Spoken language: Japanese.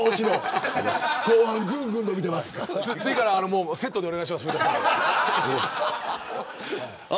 次からセットでお願いします。